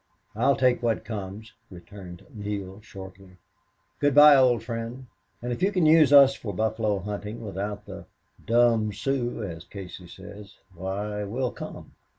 "I'll take what comes," returned Neale, shortly. "Good bye, old friend. And if you can use us for buffalo hunting without the 'dom' Sooz,' as Casey says; why, we'll come."